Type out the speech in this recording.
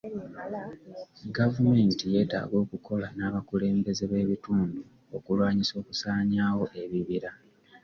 Gavumenti yeetaaga okukola n'abakulembeze b'ebitundu okulwanyisa okusaanyaawo ebibira.